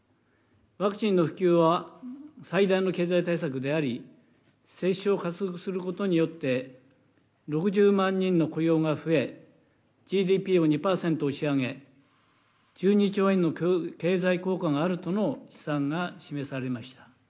ワクチンの普及は最大の経済対策であり、接種を加速することによって、６０万人の雇用が増え、ＧＤＰを２％押し上げ、１２兆円の経済効果があるとの試算が示されました。